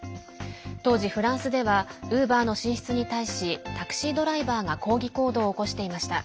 当時、フランスではウーバーの進出に対しタクシードライバーが抗議行動を起こしていました。